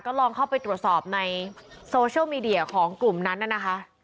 ลองเข้าไปตรวจสอบในโซเชียลมีเดียของกลุ่มนั้นน่ะนะคะ